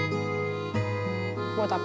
makanan yang terbaik